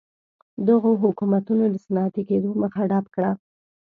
دغو حکومتونو د صنعتي کېدو مخه ډپ کړه.